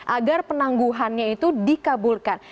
agar penangguhannya itu dikabulkan